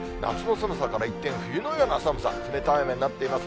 夏のから一転、冬のような寒さ、冷たい雨になっています。